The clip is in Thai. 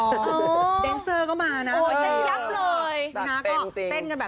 เดนเซอร์ก็มานะ